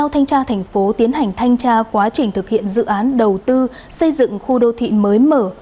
tp hcm tiến hành thanh tra quá trình thực hiện dự án đầu tư xây dựng khu đô thị mới mở